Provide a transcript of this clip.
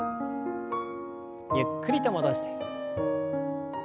ゆっくりと戻して。